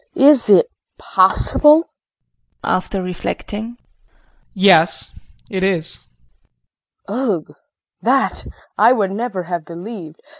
Is it possible? JEAN [After reflecting]. Yes, it is. KRISTIN. Ugh! That I would never have believed.